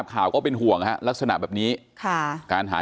ก็คือสี่โมงเย็นจ้ะอืมคือถ้าตอนนั้นคือแม่คิดว่าพี่สาวเนี่ยลงมาก่อนล่ะ